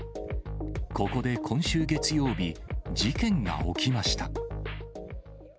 ここで今週月曜日、事件が起きました。